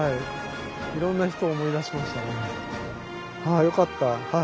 あよかった。